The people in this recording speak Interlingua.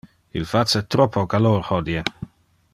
Il face troppo calor hodie.